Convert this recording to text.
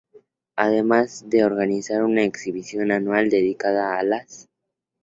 Además de organizar una exhibición anual dedicada a las